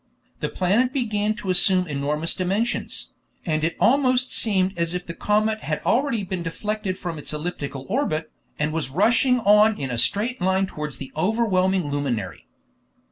The planet began to assume enormous dimensions, and it almost seemed as if the comet had already been deflected from its elliptical orbit, and was rushing on in a straight line towards the overwhelming luminary.